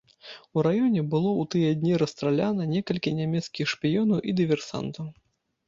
У раёне было ў тыя дні расстраляна некалькі нямецкіх шпіёнаў і дыверсантаў.